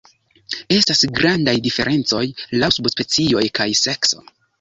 Estas grandaj diferencoj laŭ subspecioj kaj sekso.